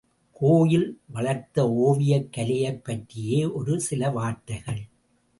கோயில் வளர்த்த ஓவியக் கலையைப் பற்றியே ஒரு சில வார்த்தைகள்.